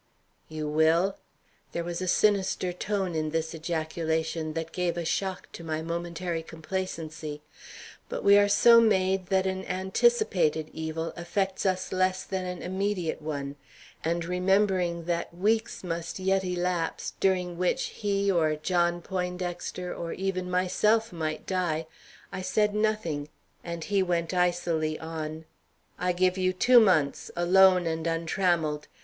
"You will?" There was a sinister tone in this ejaculation that gave a shock to my momentary complacency. But we are so made that an anticipated evil affects us less than an immediate one; and remembering that weeks must yet elapse, during which he or John Poindexter or even myself might die, I said nothing, and he went icily on: "I give you two months, alone and untrammelled.